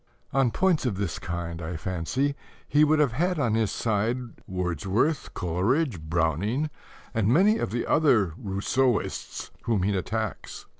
On points of this kind, I fancy, he would have had on his side Wordsworth, Coleridge, Browning, and many of the other "Rousseauists" whom he attacks.